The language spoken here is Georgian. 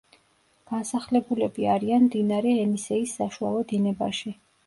განსახლებულები არიან მდინარე ენისეის საშუალო დინებაში.